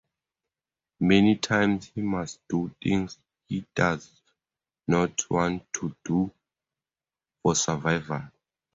Many times he must do things he does not want to do, for survival.